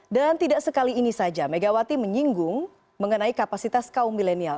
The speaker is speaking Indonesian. dan tidak sekali ini saja megawati menyinggung mengenai kapasitas kaum milenial